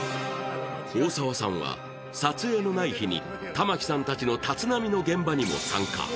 大沢たかおさんは撮影のない日に玉木さんたちの現場にも参加。